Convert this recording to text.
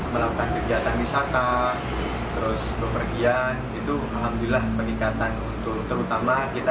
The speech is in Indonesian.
melakukan kegiatan wisata terus bepergian itu alhamdulillah peningkatan untuk terutama kita